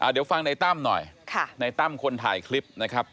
เดี๋ยวฟังในตั้มหน่อยในตั้มคนถ่ายคลิปนะครับ